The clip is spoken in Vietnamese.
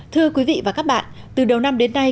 thưa quý vị và các bạn từ đầu năm đến nay